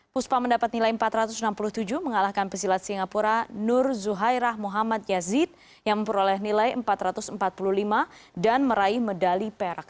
puspa mendapat nilai empat ratus enam puluh tujuh mengalahkan pesilat singapura nur zuhairah muhammad yazid yang memperoleh nilai empat ratus empat puluh lima dan meraih medali perak